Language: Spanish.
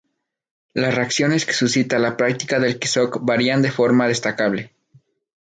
Las reacciones que suscita la práctica del qigong varían de forma destacable.